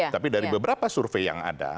tapi dari beberapa survei yang ada